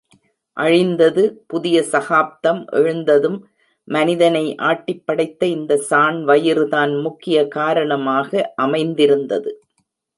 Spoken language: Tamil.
அழிந்தது, புதிய சகாப்தம் எழுந்ததும், மனிதனை ஆட்டிப் படைத்த இந்த சாண் வயிறுதான் முக்கிய காரணமாக அமைந்திருந்தது.